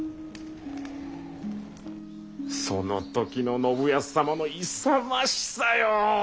その時の信康様の勇ましさよ！